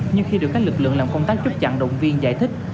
nhưng khi được các lực lượng làm công tác chốt chặn đồng viên giải thích